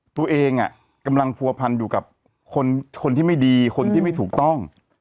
ตัวเองกำลังผัวพันอยู่กับคนที่ไม่ดีคนที่ไม่ถูกต้อง